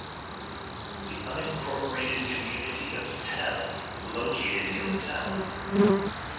The unincorporated community of Tell is located in the town.